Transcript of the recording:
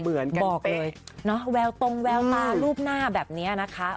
เหมือนกันเป๊ะแววตรงแววตารูปหน้าแบบนี้นะคะ